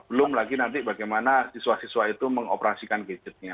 belum lagi nanti bagaimana siswa siswa itu mengoperasikan gadgetnya